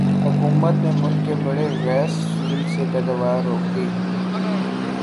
حکومت نے ملک کے بڑے گیس فیلڈز سے پیداوار روک دی